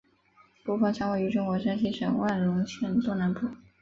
孤峰山位于中国山西省万荣县东南部。